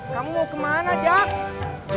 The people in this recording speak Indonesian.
kamu mau kemana jack